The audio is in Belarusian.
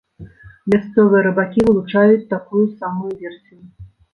Мясцовыя рыбакі вылучаюць такую самую версію.